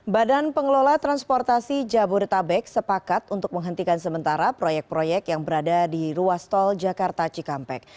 badan pengelola transportasi jabodetabek sepakat untuk menghentikan sementara proyek proyek yang berada di ruas tol jakarta cikampek